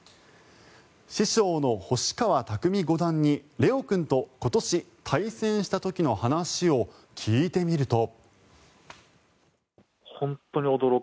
師匠の星川拓海五段に怜央君と今年対戦した時の話を聞いてみると。